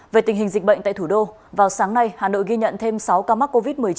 về tình hình dịch bệnh tại thủ đô vào sáng nay hà nội ghi nhận thêm sáu ca mắc covid một mươi chín